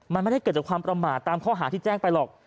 มันไม่ได้เกิดจากความประมาทตามข้อหาที่แจ้งไปหรอก